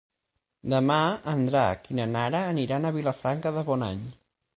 Demà en Drac i na Nara aniran a Vilafranca de Bonany.